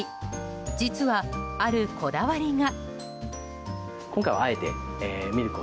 実は、あるこだわりが。